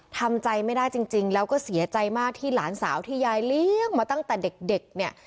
ทำใจไม่ได้จริงแล้วก็เสียใจมากที่หลานสาวที่ยายเลี้ยงมาตั้งแต่เด็กเนี่ย